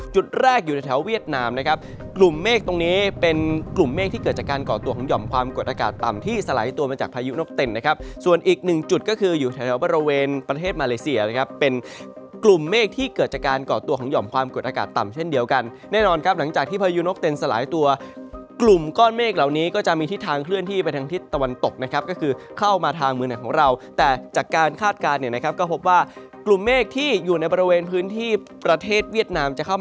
กลุ่มเมฆส่วนใหญ่นั้นไปก่อตัวในทะเลนะครับส่วนใหญ่นั้นไปก่อตัวในทะเลนะครับส่วนใหญ่นั้นไปก่อตัวในทะเลนะครับส่วนใหญ่นั้นไปก่อตัวในทะเลนะครับส่วนใหญ่นั้นไปก่อตัวในทะเลนะครับส่วนใหญ่นั้นไปก่อตัวในทะเลนะครับส่วนใหญ่นั้นไปก่อตัวในทะเลนะครับส่วนใหญ่นั้นไปก่อตัวในทะเลนะครับส่วน